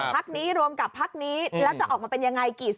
พักนี้รวมกับพักนี้แล้วจะออกมาเป็นยังไง